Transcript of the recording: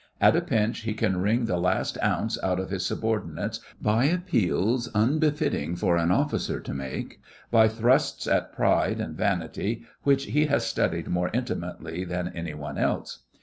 At a pinch he can wring the last ounce out of his subordinates by appeals unbefitting for an officer to make, by thrusts at pride and vanity, which he has studied more intimately than any one else.